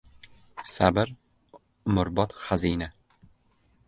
• Sabr — umrbod xazina.